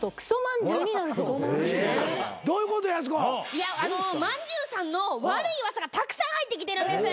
いやまんじゅうさんの悪い噂がたくさん入ってきてるんです。